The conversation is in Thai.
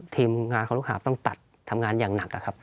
ทีมงานของลูกหาบต้องตัดทำงานอย่างหนักอะครับ